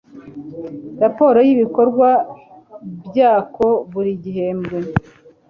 raporo y'ibikorwa byako buri gihembwe